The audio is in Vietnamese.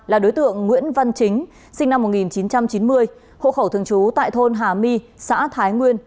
là đối tượng nguyễn văn chính sinh năm một nghìn chín trăm chín mươi hộ khẩu thường trú tại thôn hà my xã thái nguyên